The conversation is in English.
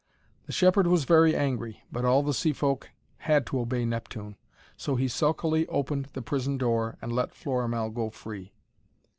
The shepherd was very angry, but all the sea folk had to obey Neptune, so he sulkily opened the prison door and let Florimell go free.